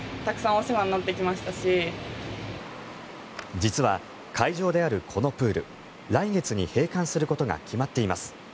実は会場であるこのプール来月に閉館することが決まっています。